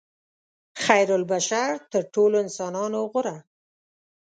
خیرالبشر تر ټولو انسانانو غوره.